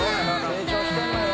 「成長してんのよ」